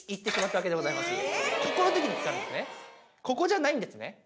ここじゃないんですね